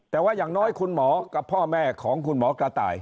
แต่ว่าอย่างน้อยคุณหมอกับพ่อแม่ของคุณหมอกระต่าย